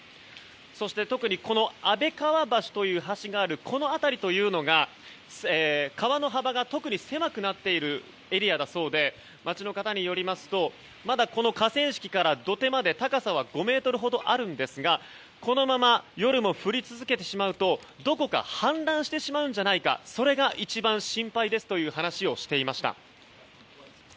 そして特に安倍川橋という橋があるこの辺りというのが川の幅が特に狭くなっているエリアだそうで街の方によりますとまだこの河川敷から土手まで高さは５ｍほどありますがこのまま夜も降り続けてしまうとどこか氾濫してしまうんじゃないかそれが一番心配ですという話をしていました。